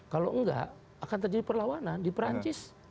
kalau enggak akan terjadi perlawanan di perancis